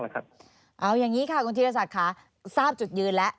เอาอย่างนี้ค่ะคุณธีรศักดิ์ค่ะทราบจุดยืนแล้ว